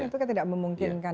itu kan tidak memungkinkan